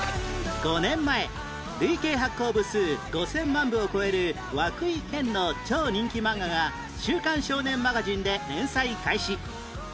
５年前累計発行部数５０００万部を超える和久井健の超人気漫画が『週刊少年マガジン』で連載開始